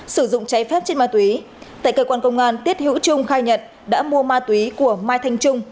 sử dụng cháy phép trên ma túy tại cơ quan công an tiết hữu trung khai nhận đã mua ma túy của mai thanh trung